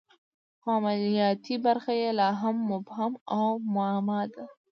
خو عملیاتي برخه یې لا هم مبهم او معما ده